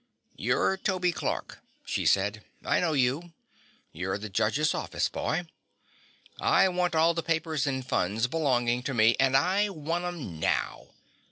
"You're Toby Clark," she said. "I know you. You're the judge's office boy. I want all the papers and funds belonging to me, and I want 'em now.